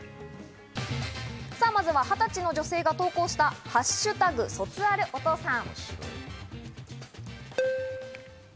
まずは２０歳の女性が投稿した「＃卒アルお父さん」。